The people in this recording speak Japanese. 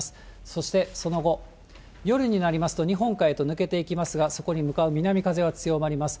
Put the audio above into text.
そして、その後、夜になりますと、日本海へと抜けていきますが、そこに向かう南風は強まります。